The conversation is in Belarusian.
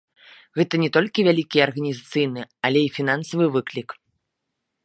Гэта не толькі вялікі арганізацыйны, але і фінансавы выклік.